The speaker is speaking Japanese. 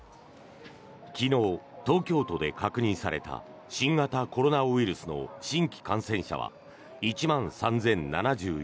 昨日、東京都で確認された新型コロナウイルスの新規感染者は１万３０７４人。